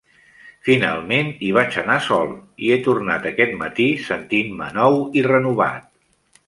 Finalment hi vaig anar sol i he tornat aquest matí sentint-me nou i renovat.